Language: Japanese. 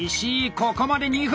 ここまで２分！